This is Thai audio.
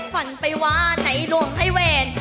ฝันไปวาดในร่วมไพเวร